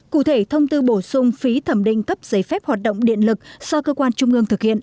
cụ thể thông tư bổ sung phí thẩm định cấp giấy phép hoạt động điện lực do cơ quan trung ương thực hiện